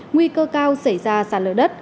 nguy cơ cao xảy ra xả lỡ đất